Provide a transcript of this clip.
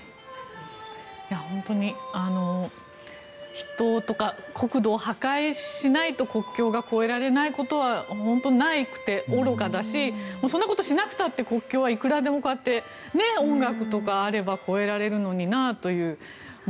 本当に人とか国土を破壊しないと国境が越えられないことは本当になくて愚かだし、そんなことしなくても国境はいくらでもこうやって音楽とかあれば超えられるのになって。